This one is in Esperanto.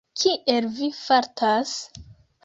Kiel vi fartas?